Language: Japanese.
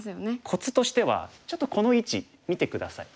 コツとしてはちょっとこの位置見て下さい。